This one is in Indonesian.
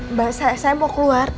mbak saya mau keluar